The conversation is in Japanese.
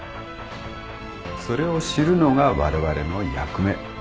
それを知るのがわれわれの役目。